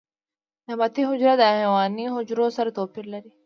نباتي حجرې د حیواني حجرو سره توپیر لري